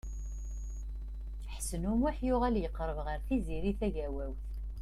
Ḥsen U Muḥ yuɣal yeqreb ɣer Tiziri Tagawawt.